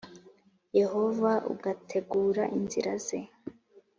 Yehova ugategura inzira ze